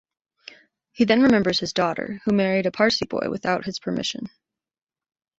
He then remembers his daughter, who married a Parsi boy without his permission.